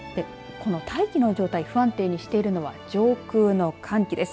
この大気の状態不安定にしているのは上空の寒気です。